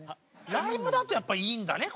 ライブだとやっぱいいんだね。